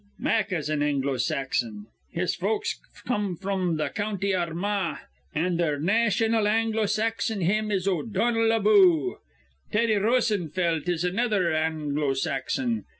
Mack is an Anglo Saxon. His folks come fr'm th' County Armagh, an' their naytional Anglo Saxon hymn is 'O'Donnell Aboo.' Teddy Rosenfelt is another Anglo Saxon.